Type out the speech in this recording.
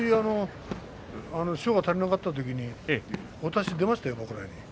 塩が足りなかった時に出ましたよ